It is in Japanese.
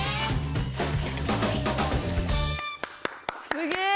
すげえ！